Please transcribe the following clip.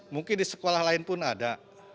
mungkin di sekolah lain pun ada